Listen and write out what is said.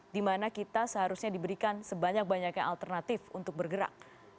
dimana kita seharusnya diberikan sebanyak banyaknya alternatif untuk bergerak